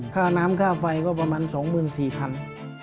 ค่าน้ำค่าไฟก็ประมาณ๒๔๐๐บาท